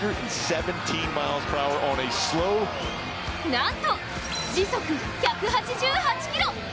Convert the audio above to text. なんと時速１８８キロ。